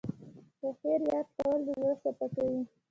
د خیر یاد کول د زړه صفا کوي.